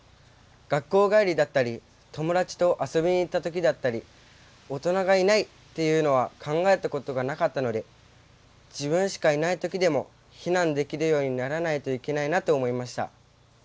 学校帰りだったり友達と遊びに行った時だったり大人がいないというのは考えたことがなかったので自分しかいない時でも避難できるようにならないといけないなと思いました。